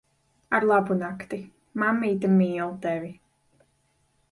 Arlabunakti. Mammīte mīl tevi.